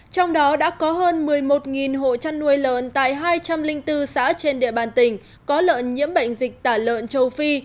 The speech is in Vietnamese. trong đó đã có hơn một mươi một hộ chăn nuôi lợn tại hai trăm linh bốn xã trên địa bàn tỉnh có lợn nhiễm bệnh dịch tả lợn châu phi